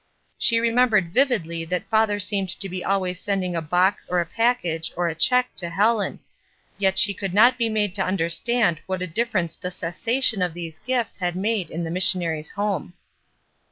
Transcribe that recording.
She remembered vividly that father seemed to be always sending a box or a package or a check to Helen ; yet she could not be made to imder stand what a difference the cessation of these gifts had made in the missionary's home.